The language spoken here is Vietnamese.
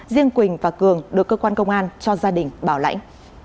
riêng quỳnh và cường được cơ quan công an cho gia đình bảo lãnh